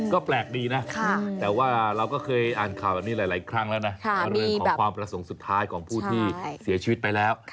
ก็แปลกดีนะแต่ว่าเราก็เคยอ่านข่าวแบบนี้หลายครั้งแล้วนะเรื่องของความประสงค์สุดท้ายของผู้ที่เสียชีวิตไปแล้ว